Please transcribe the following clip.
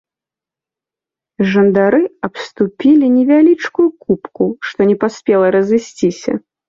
Жандары абступілі невялічкую купку, што не паспела разысціся.